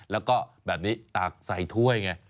แล้วก็แบบนี้ตากใส่ถ้วยไง